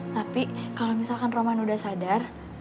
tapi kalau misalkan roman udah sadar